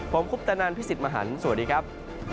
ผมคุปตะนันพี่สิทธิ์มหันฯสวัสดีครับ